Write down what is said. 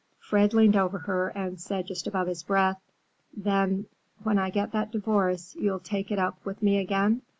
Fred leaned over her and said just above his breath, "Then, when I get that divorce, you'll take it up with me again?